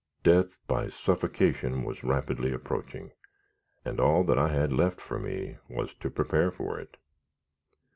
Death by suffocation was rapidly approaching, and all that was left for me was to prepare for it.